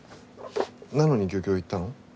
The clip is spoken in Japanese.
なのに漁協行ったの？